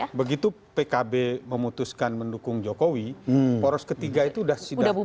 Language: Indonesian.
karena begitu pkb memutuskan mendukung jokowi poros ketiga itu sudah tidak mungkin dibentuk